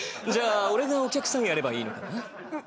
じゃあ俺がお客さんやればいいのかな？